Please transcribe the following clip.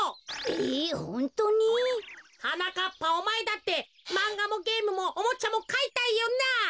えホントに？はなかっぱおまえだってまんがもゲームもおもちゃもかいたいよな？